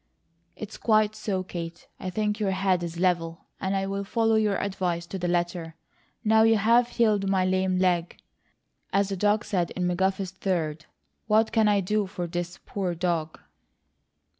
"It's quite so. Kate, I think your head is level, and I'll follow your advice to the letter. Now you have 'healed my lame leg,' as the dog said in McGuffey's Third, what can I do for THIS poor dog?"